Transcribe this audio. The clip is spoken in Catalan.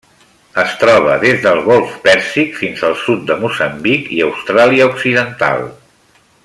Es troba des del Golf Pèrsic fins al sud de Moçambic i Austràlia Occidental.